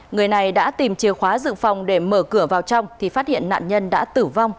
người này đã tìm chìa khóa dự phòng để mở cửa vào trong thì phát hiện nạn nhân đã tử vong